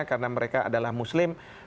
karena mereka adalah muslim